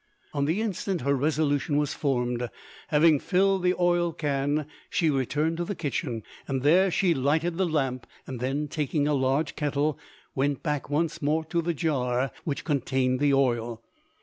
On the instant her resolution was formed. Having filled the oil can she returned to the kitchen; there she lighted the lamp, and then, taking a large kettle, went back once more to the jar which contained the oil.